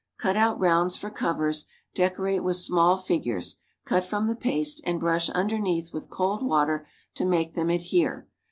Cut out rounds for covers; decorate with small figures, cut from the paste and brush underneath with cold water to make them adhere.